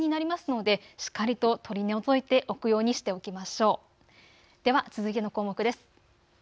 では続いての項目です。